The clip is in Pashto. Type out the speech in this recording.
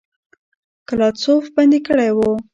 ګلادسوف بندي کړی وو.